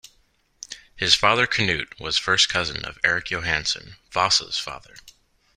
His father Knut was first cousin of Erik Johansson Vasa's father.